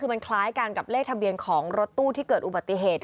คือมันคล้ายกันกับเลขทะเบียนของรถตู้ที่เกิดอุบัติเหตุ